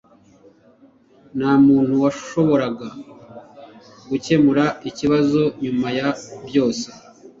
Nta muntu washoboraga gukemura ikibazo nyuma ya byose